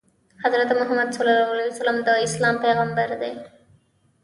حضرت محمد ﷺ د اسلام پیغمبر دی.